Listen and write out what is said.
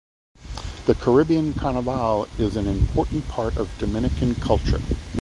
The Caribbean Carnival is an important part of Dominican culture.